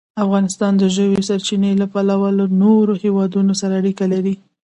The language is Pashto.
افغانستان د ژورې سرچینې له پلوه له نورو هېوادونو سره اړیکې لري.